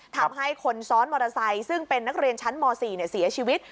ทำให้คนซ้อนมอเตอร์ไซค์ซึ่งเป็นนักเรียนชั้นม๔เสียชีวิต